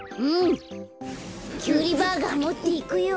キュウリバーガーもっていくよ。